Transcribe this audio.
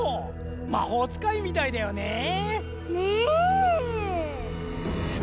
まほうつかいみたいだよね。ね！